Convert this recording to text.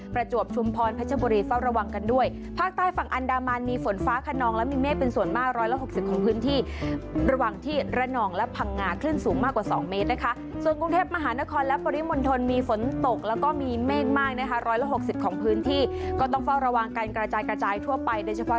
ประจวบชุมพรเพชรบุรีเฝ้าระวังกันด้วยภาคใต้ฝั่งอันดามันมีฝนฟ้าขนองและมีเมฆเป็นส่วนมากร้อยละหกสิบของพื้นที่ระหว่างที่ระนองและพังงาคลื่นสูงมากกว่าสองเมตรนะคะส่วนกรุงเทพมหานครและปริมณฑลมีฝนตกแล้วก็มีเมฆมากนะคะร้อยละหกสิบของพื้นที่ก็ต้องเฝ้าระวังการกระจายกระจายทั่วไปโดยเฉพาะ